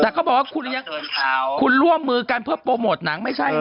แต่เขาบอกว่าคุณร่วมมือกันเพื่อโปรโมทหนังไม่ใช่เหรอ